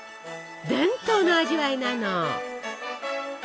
伝統の味わいなの。